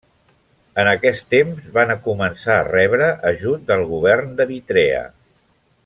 En aquest temps van començar a rebre ajut del govern d'Eritrea.